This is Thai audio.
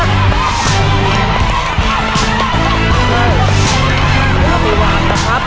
ก่อนข้างไปวางนะครับ